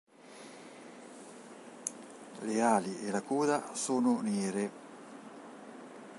Le ali e la coda sono nere.